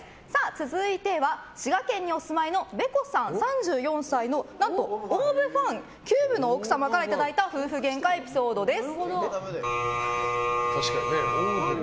続いては滋賀県にお住まいのべこさん、３４歳の何とＯＷＶファン、ＱＷＶの奥さんからいただいた夫婦げんかエピソードです。